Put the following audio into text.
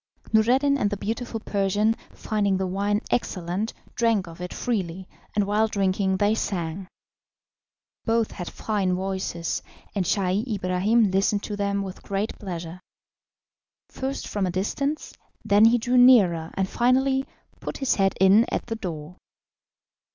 Noureddin and the beautiful Persian, finding the wine excellent, drank of it freely, and while drinking they sang. Both had fine voices, and Scheih Ibrahim listened to them with great pleasure first from a distance, then he drew nearer, and finally put his head in at the door.